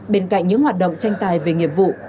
bên cạnh những hoạt động tranh tài về nghiệp vụ